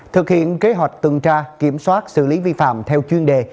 thực hiện kế hoạch tuần tra kiểm soát xử lý vi phạm theo chuyên đề